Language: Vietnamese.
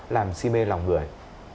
làm si mê lòng người